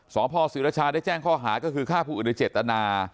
สหพสิรชาได้แจ้งข้อหาก็คือฆ่าผู้อึดละเจ็ดอาณา